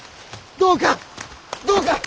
どうかどうか！